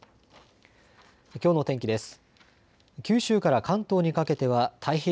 きょうの天気です。